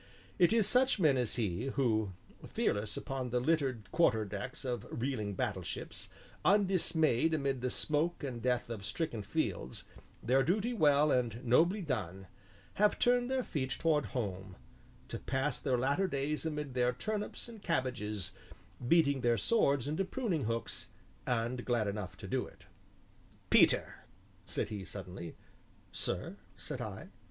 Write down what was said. It is such men as he, who, fearless upon the littered quarterdecks of reeling battleships, undismayed amid the smoke and death of stricken fields, their duty well and nobly done, have turned their feet homewards to pass their latter days amid their turnips and cabbages, beating their swords into pruning hooks, and glad enough to do it. "Peter," said he suddenly. "Sir?" said I.